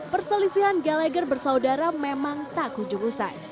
perselisihan gallagher bersaudara memang tak hujung usai